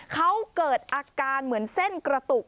เขาเกิดอาการเหมือนเส้นกระตุก